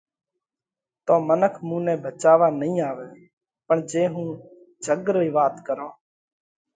تو منک مُونئہ ڀچاوا نئين آوئہ، پڻ جي هُون جڳ رئِي وات ڪرون